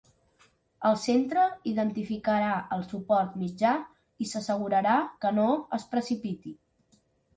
El centre identificarà el suport mitjà i s'assegurarà que no es precipiti.